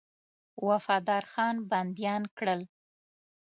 وفادارخان بنديان کړل.